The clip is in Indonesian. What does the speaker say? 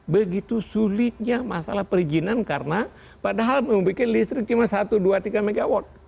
begitu sulitnya masalah perizinan karena padahal membuat listrik cuma satu dua tiga mw